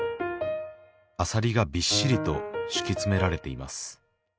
アサリがびっしりと敷き詰められています